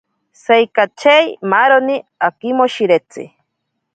Saikachei maaroni akimoshiretsi.